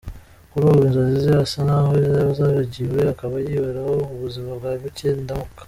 Kuri ubu inzozi ze asa n’aho yazibagiwe, akaba yiberaho ubuzima bwa bucye ndamuke.